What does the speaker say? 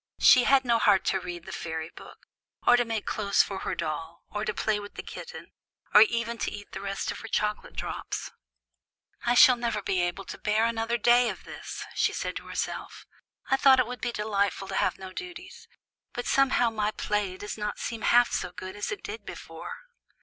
She had no heart to read the fairy book, or to make clothes for her doll, or to play with the kitten, or even to eat the rest of her chocolate drops. "I shall never be able to bear another day of this," she said to herself; "I thought it would be so delightful to have no duties, but somehow my play does not seem half so good as it did before."